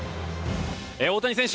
大谷選手